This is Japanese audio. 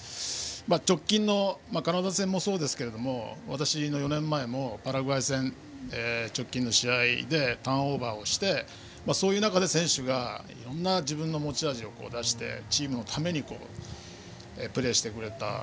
直近のカナダ戦もそうですが私の４年前もパラグアイ戦、直近の試合でターンオーバーをしてそういう中で選手が自分の持ち味を出してチームのためにプレーしてくれた。